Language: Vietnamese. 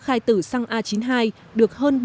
khai tử xăng a chín mươi hai được hơn ba mươi